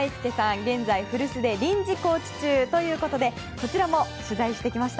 現在、古巣で臨時コーチ中ということでこちらも取材してきました。